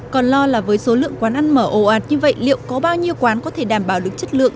còn lo là với số lượng quán ăn mở ồ ạt như vậy liệu có bao nhiêu quán có thể đảm bảo được chất lượng